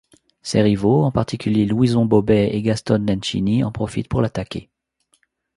Ses rivaux, en particulier Louison Bobet et Gastone Nencini en profitent pour l'attaquer.